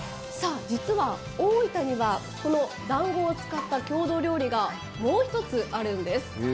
実は大分にはこのだんごを使った郷土料理がもう一つあるんです。